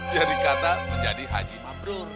jadi kata menjadi haji mabrur